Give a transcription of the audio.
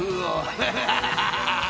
［フハハハ］